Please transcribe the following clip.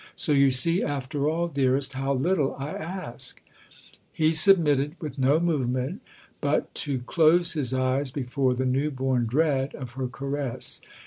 " So you see, after all, dearest, how little I ask !" He submitted, with no movement but to close his eyes before the new born dread of her caress.